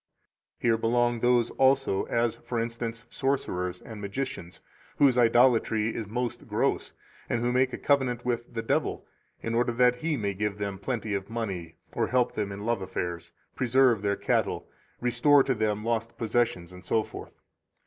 12 Here belong those also, as, e. g., sorcerers and magicians, whose idolatry is most gross, and who make a covenant with the devil, in order that he may give them plenty of money or help them in love affairs, preserve their cattle, restore to them lost possessions, etc.